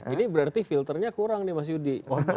ini berarti filternya kurang nih mas yudi